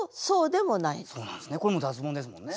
これも脱ボンですもんね。